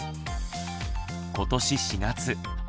今年４月あ